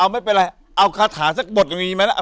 ไม่เป็นไรเอาคาถาสักบทตรงนี้ไหมล่ะ